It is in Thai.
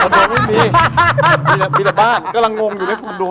คอนโดไม่มีมีแต่บ้านกำลังงงอยู่ในคอนโด